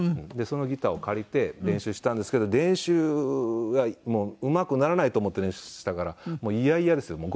でそのギターを借りて練習したんですけど練習がうまくならないと思って練習したからもう嫌々ですよ。